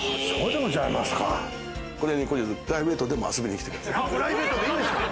これに懲りず、プライベートでも遊びに来てください。